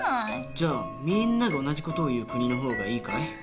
じゃあみんなが同じ事を言う国の方がいいかい？